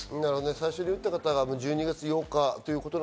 最初に打った方が１２月８日。